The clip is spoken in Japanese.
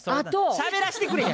しゃべらしてくれや！